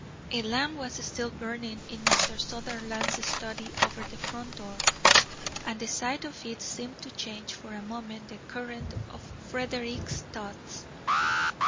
A lamp was still burning in Mr. Sutherland's study over the front door, and the sight of it seemed to change for a moment the current of Frederick's thoughts.